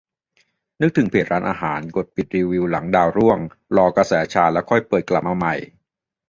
นึกถึงเพจร้านอาหารกดปิดรีวิวหลังดาวร่วง รอกระแสซาแล้วค่อยเปิดกลับมาใหม่